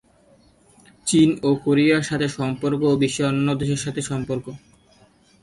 চীন ও কোরিয়ার সাথে সম্পর্ক ও বিশ্বের অন্যান্য দেশের সাথে সম্পর্ক।